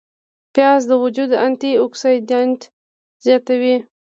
پیاز د وجود انتي اوکسیدانت زیاتوي